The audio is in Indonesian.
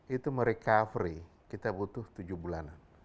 itu merecovery kita butuh tujuh bulanan